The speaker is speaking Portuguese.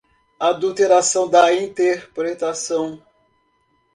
Adulteração da interpretação